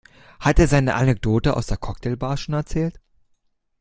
Hat er seine Anekdote aus der Cocktailbar schon erzählt?